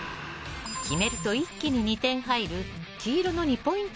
決まると一気に２ポイント入る黄色に２ポイント